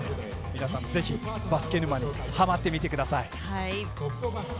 皆さん、ぜひバスケ沼にはまってください。